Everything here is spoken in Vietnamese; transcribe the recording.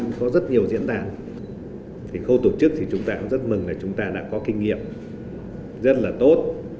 có rất nhiều diễn đàn thì khâu tổ chức thì chúng ta cũng rất mừng là chúng ta đã có kinh nghiệm rất là tốt